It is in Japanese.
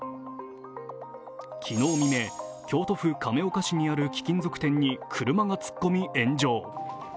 昨日未明、京都府亀岡市にある貴金属店に車が突っ込み炎上。